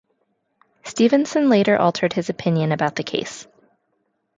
Stevenson later altered his opinion about the case.